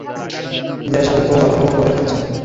নিসার আলি খুব আগ্রহ করে খাচ্ছেন।